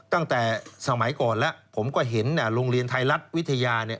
ตั้งแต่สมัยก่อนแล้วผมก็เห็นโรงเรียนไทยรัฐวิทยาเนี่ย